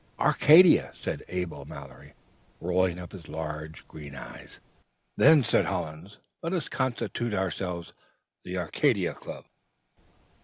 "'Arcadia!' said Abel Mallory, rolling up his large green eyes. "'Then,' said Hollins, 'let us constitute ourselves the Arcadian Club!'"